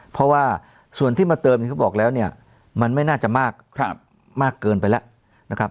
เพราะว่าส่วนที่มาเติมเขาบอกแล้วเนี่ยมันไม่น่าจะมากเกินไปแล้วนะครับ